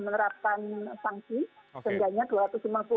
menerapkan sanksi sehingga